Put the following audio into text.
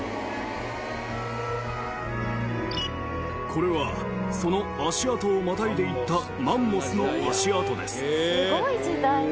これはその足跡をまたいでいったマンモスの足跡です。